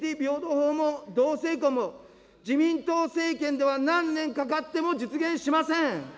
平等法も同性婚も、自民党政権では何年かかっても実現しません。